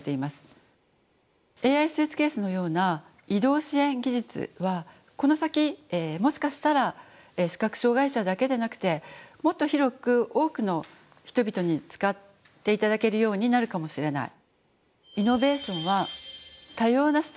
ＡＩスーツケースのような移動支援技術はこの先もしかしたら視覚障害者だけでなくてもっと広く多くの人々に使って頂けるようになるかもしれない。